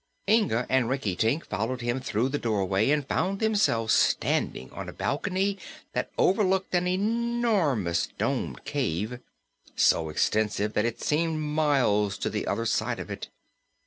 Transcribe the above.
Inga and Rinkitink followed him through the doorway and found themselves standing on a balcony that overlooked an enormous domed cave so extensive that it seemed miles to the other side of it.